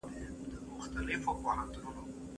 موږ باید د علم لرلو لپاره هڅه وکړو.